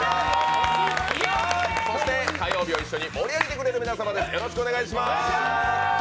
そして火曜日を一緒に盛り上げてくれる皆さんです。